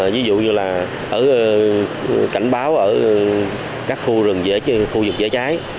ví dụ như là cảnh báo ở các khu rừng dễ cháy khu vực dễ cháy